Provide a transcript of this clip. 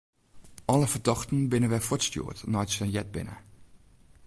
Alle fertochten binne wer fuortstjoerd neidat se heard binne.